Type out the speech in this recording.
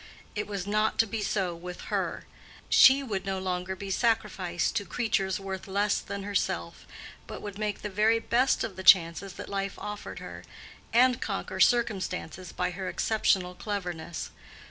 It was not to be so with her; she would no longer be sacrificed to creatures worth less than herself, but would make the very best of the chances that life offered her, and conquer circumstances by her exceptional cleverness.